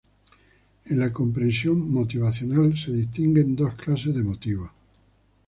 En la comprensión motivacional se distinguen dos clases de motivos.